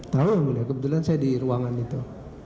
tahu yang mulia kebetulan saya di ruangan itu